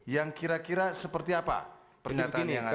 yang kira kira seperti apa pernyataan yang ada